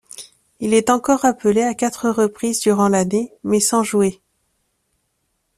Il est encore appelé à quatre reprises durant l'année, mais sans jouer.